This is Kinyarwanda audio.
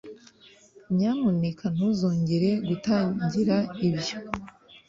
nyamuneka ntuzongere gutangira ibyo